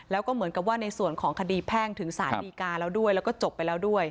แล้วก็เหมือนกับว่าในส่วนของคดีแพ่งถึงสารดีกาแล้วด้วยแล้วก็จบไปแล้วด้วย